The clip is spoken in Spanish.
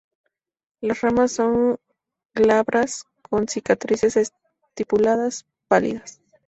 Las ramas son glabras con cicatrices estipuladas pálidas.